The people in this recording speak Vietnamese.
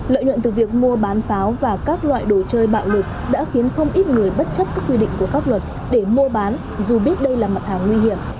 lợi nhuận từ việc mua bán pháo và các loại đồ chơi bạo lực đã khiến không ít người bất chấp các quy định của pháp luật để mua bán dù biết đây là mặt hàng nguy hiểm